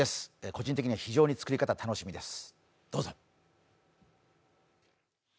個人的には非常に作り方、楽しみです。